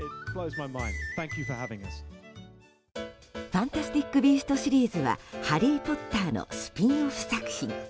「ファンタスティック・ビースト」シリーズは「ハリー・ポッター」のスピンオフ作品。